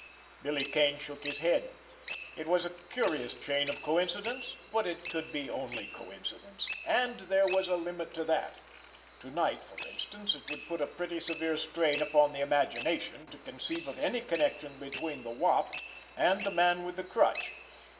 Billy Kane shook his head. It was a curious chain of coincidence, but it could be only coincidence. And there was a limit to that. To night, for instance, it would put a pretty severe strain upon the imagination to conceive of any connection between the Wop and the Man With The Crutch!